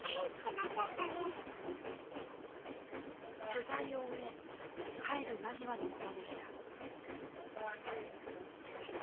取材を終え帰る間際のことでした。